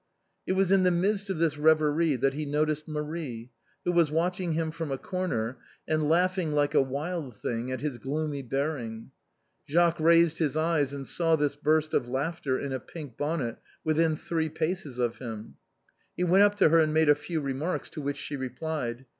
It was in the midst of this reverie that he noticed Marie, who was watching him from a corner, and laughing like a wild thing at his gloomy bearing. Jacqu raised his eyes and saw this burst of laughter in a pink bonnet within three paces of him. He went up to her and made a few remarks, to which she replied.